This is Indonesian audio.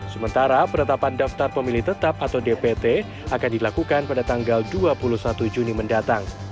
sementara penetapan daftar pemilih tetap atau dpt akan dilakukan pada tanggal dua puluh satu juni mendatang